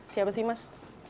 siapa sih mas